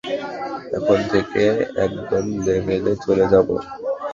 এখন থেকে একদম লেভেলে চলে যাবো।